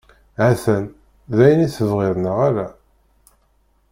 Hatan, d ayen i tebɣiḍ, neɣ ala?